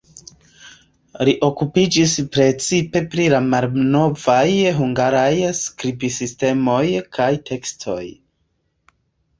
Li okupiĝis precipe pri la malnovaj hungaraj skribsistemoj kaj tekstoj.